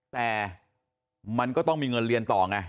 แต่มันก็ต้องมีเงินเรียนต่อไง